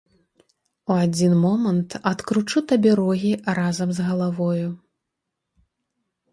У адзін момант адкручу табе рогі разам з галавою.